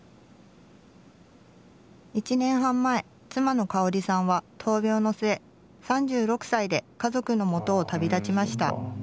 １年半前妻の花織さんは闘病の末３６歳で家族のもとを旅立ちました。